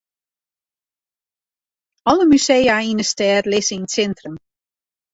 Alle musea yn 'e stêd lizze yn it sintrum.